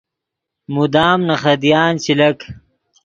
مدام نے خدیان چے لک